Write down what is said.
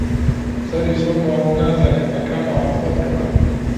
سەری سووڕماوە و نازانێت بە کام ئاراستە بڕوات